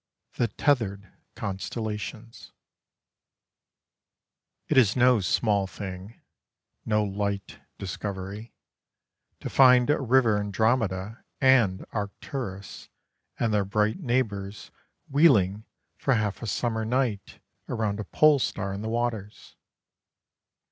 THE TETHERED CONSTELLATIONS It is no small thing no light discovery to find a river Andromeda and Arcturus and their bright neighbours wheeling for half a summer night around a pole star in the waters.